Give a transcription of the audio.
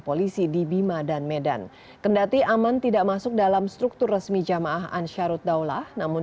polisi di bima dan medan kendati aman tidak masuk dalam struktur resmi jamaah ansarut daulah namun